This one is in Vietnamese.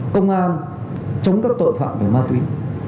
công an chống các tội phạm về ma túy